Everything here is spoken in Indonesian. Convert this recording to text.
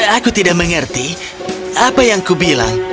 aku tidak mengerti apa yang kubilang